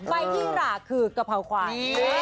ใบหี้หร่าคือกระเพราควาย